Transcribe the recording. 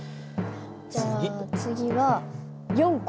じゃあ次は４個。